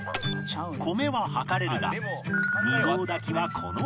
米は量れるが２合炊きはこの線まで